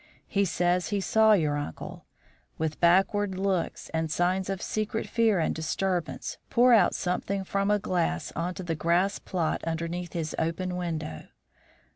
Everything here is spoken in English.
He says he saw your uncle, with backward looks and signs of secret fear and disturbance, pour out something from a glass on to the grass plot underneath his open window.